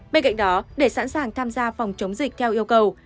bên cạnh đó để sẵn sàng tham gia phòng chống dịch theo yêu cầu